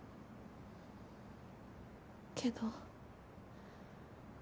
けど。